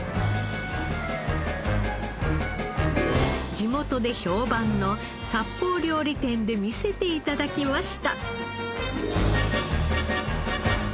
地元で評判の割烹料理店で見せて頂きました。